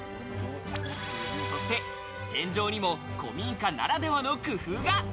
そして天井にも古民家ならではの工夫が。